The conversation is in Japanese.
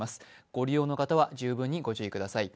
ご利用の方は十分にご注意ください。